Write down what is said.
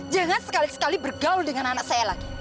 jangan sekali sekali bergaul dengan anak saya lagi